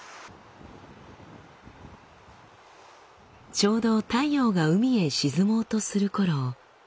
ちょうど太陽が海へ沈もうとするころ